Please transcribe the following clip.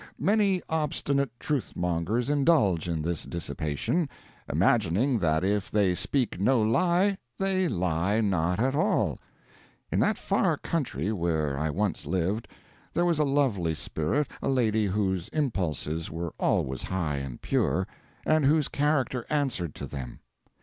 Many obstinate truth mongers indulge in this dissipation, imagining that if they speak no lie, they lie not at all. In that far country where I once lived, there was a lovely spirit, a lady whose impulses were always high and pure, and whose character answered to them.